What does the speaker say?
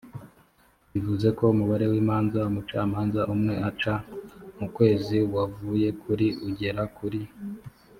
bivuze ko umubare w imanza umucamanza umwe aca mu kwezi wavuye kuri ugera kuri